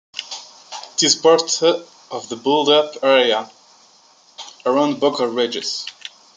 It is part of the built-up area around Bognor Regis.